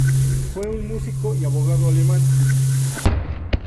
Fue un músico y abogado alemán.